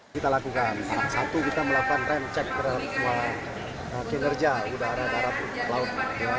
kita lakukan satu kita melakukan ram check berat berat kinerja udara udara laut